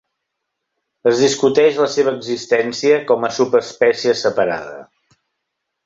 Es discuteix la seva existència com a subespècie separada.